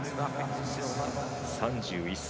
３１歳。